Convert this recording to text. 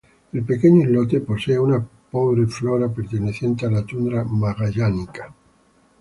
El pequeño islote posee una pobre flora perteneciente a la Tundra Magallánica.